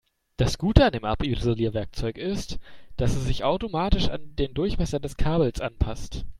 Das Gute an dem Abisolierwerkzeug ist, dass es sich automatisch an den Durchmesser des Kabels anpasst.